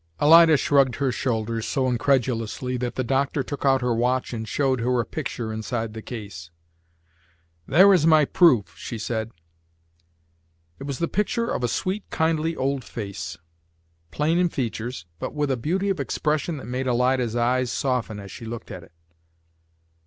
Alida shrugged her shoulders so incredulously that the doctor took out her watch and showed her a picture inside the case. "There is my proof," she said. It was the picture of a sweet, kindly old face, plain in features, but with a beauty of expression that made Alida's eyes soften as she looked at it.